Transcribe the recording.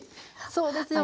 そうですよね。